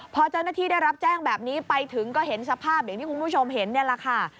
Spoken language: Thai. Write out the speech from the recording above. พอเจ้าหน้าที่ได้รับแจ้งแบบนี้ไปถึงก็เห็นสภาพอย่างที่คุณผู้ชมเห็นนี่แหละค่ะ